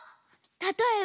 たとえば。